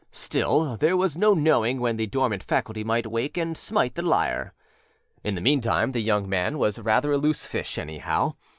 Still, there was no knowing when the dormant faculty might wake and smite the lyre. In the meantime the young man was rather a loose fish, anyhow.